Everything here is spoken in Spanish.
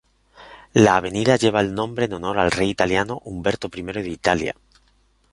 La avenida lleva el nombre en honor al rey italiano Humberto I de Italia.